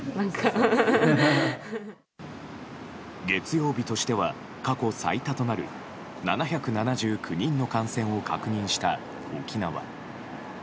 月曜日としては過去最多となる７７９人の感染を確認した沖縄。